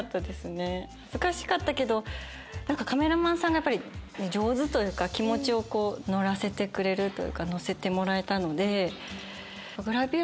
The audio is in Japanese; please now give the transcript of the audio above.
恥ずかしかったけどカメラマンさんがやっぱり上手というか気持ちを乗らせてくれるというか乗せてもらえたので。